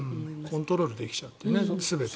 コントロールできちゃってる全て。